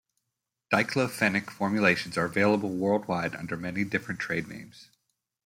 Diclofenac formulations are available worldwide under many different trade names.